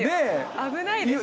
危ないです。